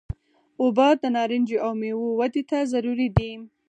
اوبه د نارنجو او میوو ودې ته ضروري دي.